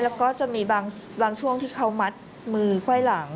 แล้วก็จะมีบางช่วงที่เขามัดมือไขว้หลัง